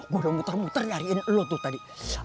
udah muter muter nyariin lo tuh tadi